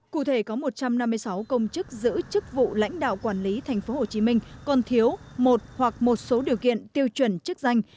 cụ thể có một trăm năm mươi sáu công chức giữ chức vụ lãnh đạo quản lý tp hcm còn thiếu một hoặc một số điều kiện tiêu chuẩn chức danh